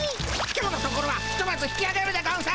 今日のところはひとまず引きあげるでゴンス。